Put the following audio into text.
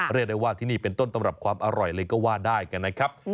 เรียกได้ว่าที่นี่เป็นต้นตำรับความอร่อยเลยก็ว่าได้กันนะครับ